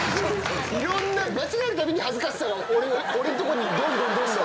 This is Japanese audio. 間違えるたびに恥ずかしさが俺んとこにどんどんどんどん。